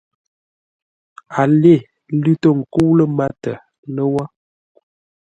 A lê, lʉ̂ tô ńkə́u lə́ mátə lə́wó.